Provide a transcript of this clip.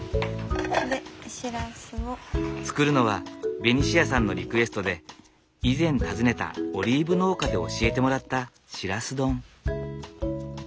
作るのはベニシアさんのリクエストで以前訪ねたオリーブ農家で教えてもらったしらす丼。